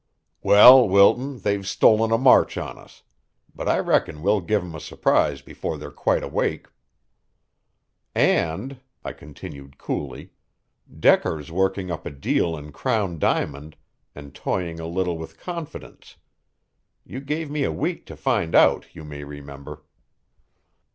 "Well, Wilton, they've stolen a march on us, but I reckon we'll give 'em a surprise before they're quite awake." "And," I continued coolly, "Decker's working up a deal in Crown Diamond and toying a little with Confidence you gave me a week to find out, you may remember."